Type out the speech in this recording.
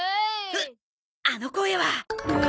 うっあの声は。